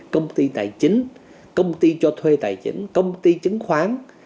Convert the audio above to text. công ty tài chính công ty cho thuê tài chính công ty chứng khoán